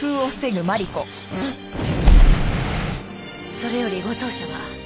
それより護送車は？